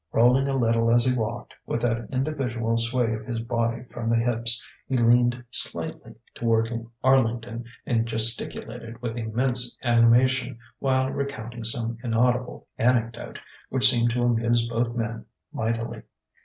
Rolling a little as he walked, with that individual sway of his body from the hips, he leaned slightly toward Arlington and gesticulated with immense animation while recounting some inaudible anecdote which seemed to amuse both men mightily.